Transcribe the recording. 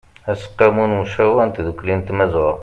aseqqamu n ymcawer n tdukli n tmazɣa